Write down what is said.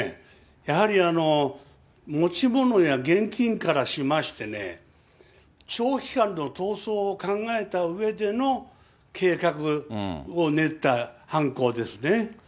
やはり持ち物や現金からしましてね、長期間の逃走を考えたうえでの計画を練った犯行ですね。